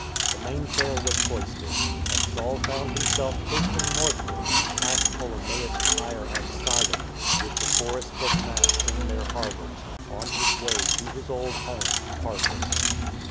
The mainsail was hoisted; and Saul found himself coasting north ward, past Ptolemais Tyre and Sidon, with the forests of masts in their harbours, on his way to his old home, Tarsus.